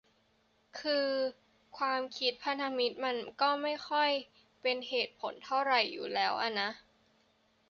คือ ความคิดพันธมิตรมันก็ไม่ค่อยเป็นเหตุเป็นผลเท่าไหร่อยู่แล้วอ่ะนะ